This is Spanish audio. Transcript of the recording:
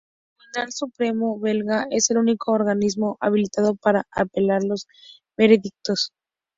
El Tribunal Supremo Belga es el único organismo habilitado para apelar los veredictos.